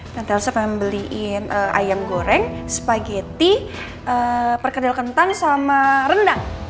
tante elsa pengen beliin ayam goreng spaghetti perkedil kentang sama rendang